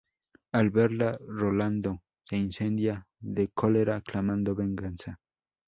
Al verla, Rolando se incendia de cólera clamando venganza.